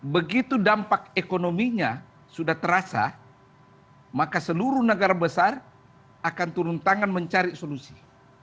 begitu dampak ekonominya sudah terasa maka seluruh negara besar akan turun tangan mencari solusi